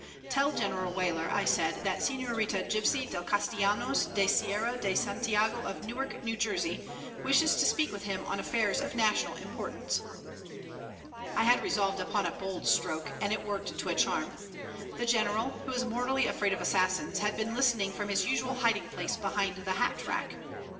"Tell General Weyler," said I, "that Señorita Gypsy del Castillanos de Sierra de Santiago, of Newark, New Jersey, wishes to speak with him on affairs of national importance." [Illustration: IN HIDING] I had resolved upon a bold stroke, and it worked to a charm. The General, who is mortally afraid of assassins, had been listening from his usual hiding place behind the hat rack.